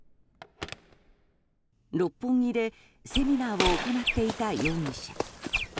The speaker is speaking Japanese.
六本木でセミナーを行っていた容疑者。